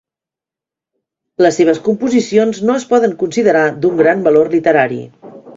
Les seves composicions no es poden considerar d'un gran valor literari.